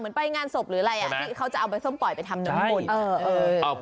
หรืออะไรอ่ะที่เขาจะเอาไปซ่มปล่อยไปทำน้ำมนต์